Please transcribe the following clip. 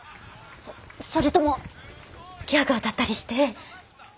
それともギャガーだったりして。